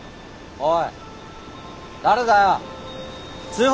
おい。